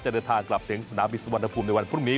เดินทางกลับถึงสนามบินสุวรรณภูมิในวันพรุ่งนี้